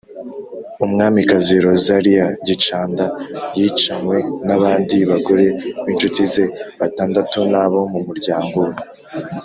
Umwamikazi Rosalie Gicanda yicanywe n’abandi bagore b’inshuti ze batandatu n’abo mu muryango we.